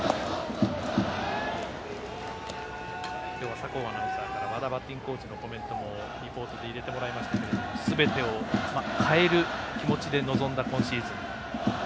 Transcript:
酒匂アナウンサーから和田バッティングコーチのリポートも入れてもらいましたがすべてを変える気持ちで臨んだ今シーズン。